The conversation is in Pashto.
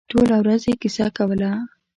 ټوله ورځ یې کیسه کوله.